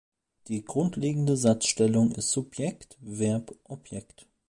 Die grundlegende Satzstellung ist Subjekt-Verb-Objekt.